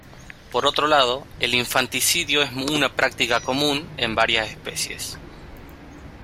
Por otro lado, el infanticidio es una práctica común en varias especies.